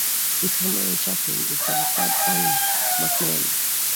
Its honorary chaplain is the Reverend Ann McNeil.